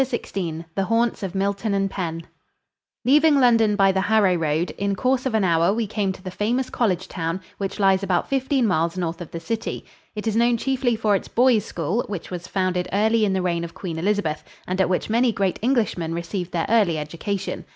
] XVI THE HAUNTS OF MILTON AND PENN Leaving London by the Harrow road, in course of an hour we came to the famous college town, which lies about fifteen miles north of the city. It is known chiefly for its boys' school, which was founded early in the reign of Queen Elizabeth and at which many great Englishmen received their early education.